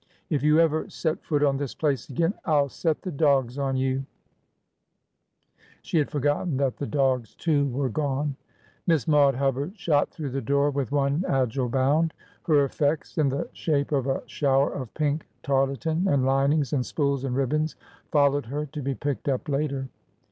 If you ever set foot on this place again, I 'll set the dogs on you !" 360 ORDER NO. 11 She had forgotten that the dogs, too, were gone. Miss Maude Hubbard shot through the door with one agile bound. Her effects, in the shape of a shower of pink tarlatan and linings and spools and ribbons, followed her, to be picked up later.